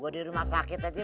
buat di rumah sakit aja